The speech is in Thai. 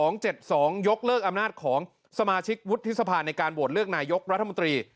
ยกเลิกอำนาจของสมาชิกวุฒิสภาในการโหวตเลือกนายกรัฐมนตรี